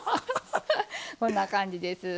こんな感じです。